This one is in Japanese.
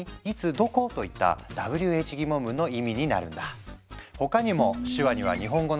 どこ？といったＷＨ疑問文の意味になるんだ。